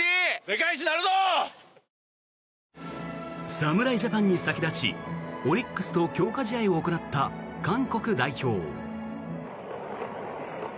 侍ジャパンに先立ちオリックスと強化試合を行った韓国代表。